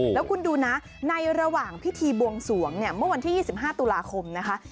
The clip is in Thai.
แล้วคุณดูนะในระหว่างพิธีบวงสวงเนี่ยเมื่อวันที่๒๕ตุลาคมนะคะ